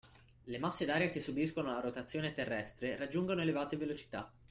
Le masse d'aria che subiscono la rotazione terrestre raggiungono elevate velocità